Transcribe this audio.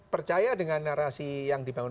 percaya dengan narasi yang dibangun